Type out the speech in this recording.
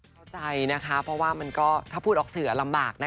ก็มีค่ะมีนิดหน่อยค่ะ